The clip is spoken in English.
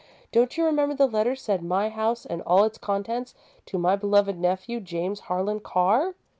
Don't you remember the letter said: 'my house and all its contents to my beloved nephew, James Harlan Carr'?"